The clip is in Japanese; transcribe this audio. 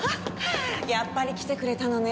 やっぱり来てくれたのね。